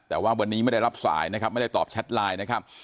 แต่ว่าวันนี้ไม่ได้รับสายนะครับไม่ได้ตอบแชทไลน์นะครับ